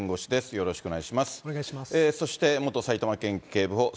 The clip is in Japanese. よろしくお願いします。